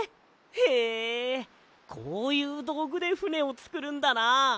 へえこういうどうぐでふねをつくるんだな。